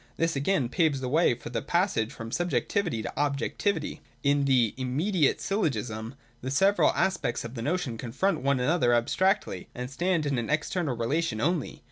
This again paves the way for the passage from subjectivity to objectivity. 182.] In the 'immediate' Syllogism the several as pects of the notion confront one another abstractly, and stand in an external relation only.